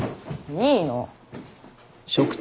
いいの。